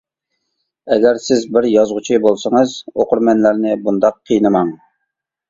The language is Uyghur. ئەگەر سىز بىر يازغۇچى بولسىڭىز، ئوقۇرمەنلەرنى بۇنداق قىينىماڭ.